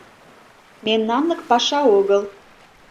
— Мемнанлык паша огыл...